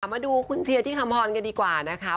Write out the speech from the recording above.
มาดูคุณเชียร์ที่คำพรกันดีกว่านะคะ